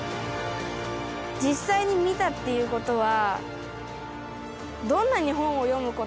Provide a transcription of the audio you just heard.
「実際に見た」っていう事は。